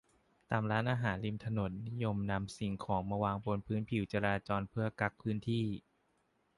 ตามร้านอาหารริมถนน นิยมนำสิ่งของมาวางบนพื้นผิวการจราจร เพื่อกั๊กพื้นที่